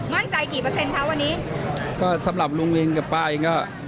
กี่เปอร์เซ็นต์วันนี้ก็สำหรับลุงเองกับป้าเองก็